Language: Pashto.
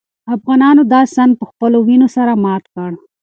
افغانانو دا سند په خپلو وینو سره مات کړ.